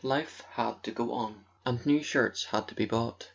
Life had to go on, and new shirts had to be bought.